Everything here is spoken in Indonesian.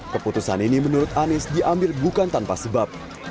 keputusan ini menurut anies diambil bukan tanpa sebab